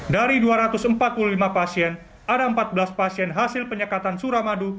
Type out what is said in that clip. dari dua ratus empat puluh lima pasien ada empat belas pasien hasil penyekatan suramadu